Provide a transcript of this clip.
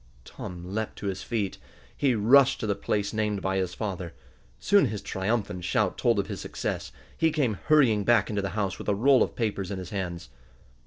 Tom leaped to his feet. He rushed to the place named by his father. Soon his triumphant shout told of his success. He came hurrying back into the house with a roll of papers in his hands.